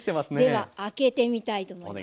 では開けてみたいと思います。